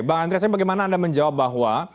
bang andreas ini bagaimana anda menjawab bahwa